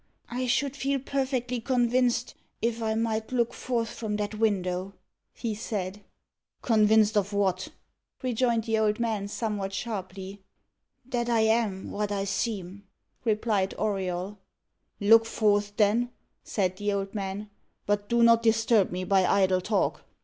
"I should feel perfectly convinced, if I might look forth from that window," he said. "Convinced of what?" rejoined the old man somewhat sharply. "That I am what I seem," replied Auriol. "Look forth, then," said the old man. "But do not disturb me by idle talk.